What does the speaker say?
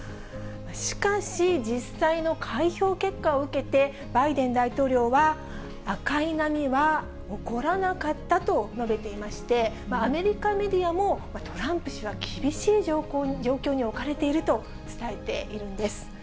しかし、実際の開票結果を受けて、バイデン大統領は、赤い波は起こらなかったと述べていまして、アメリカメディアも、トランプ氏は厳しい状況に置かれていると伝えているんです。